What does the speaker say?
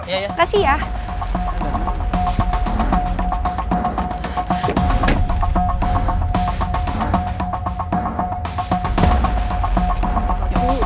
ya ya makasih dulu on tap mukanya too